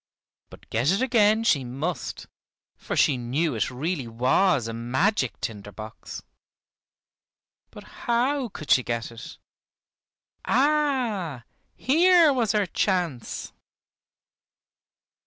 But get it again she must, for she knew it really was a magic tinder box. But how could she get it? Ah! here was her chance.